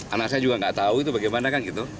anak saya juga gak tau itu bagaimana kan gitu